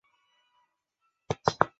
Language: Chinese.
纽约市中央公园的以这首歌命名。